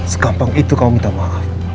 segampang itu kau minta maaf